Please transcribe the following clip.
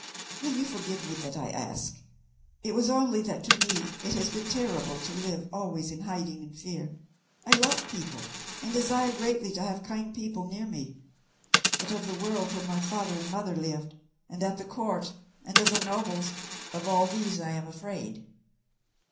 "Will you forgive me that I asked? It was only that to me it has been terrible to live always in hiding and fear. I love people, and desire greatly to have kind people near me, but of the world where my father and mother lived, and at the court and of the nobles, of all these I am afraid."